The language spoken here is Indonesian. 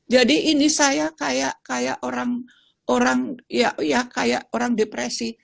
jadi ini saya kayak orang depresi